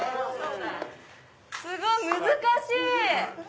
すごい難しい！